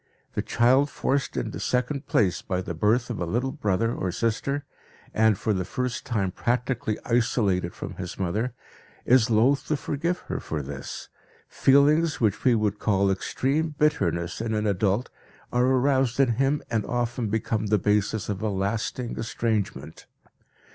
The child forced into second place by the birth of a little brother or sister, and for the first time practically isolated from his mother, is loathe to forgive her for this; feelings which we would call extreme bitterness in an adult are aroused in him and often become the basis of a lasting estrangement.